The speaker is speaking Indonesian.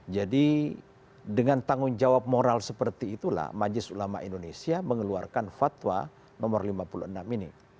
jadi dengan tanggung jawab moral seperti itulah majelis ulama indonesia mengeluarkan fatwa nomor lima puluh enam ini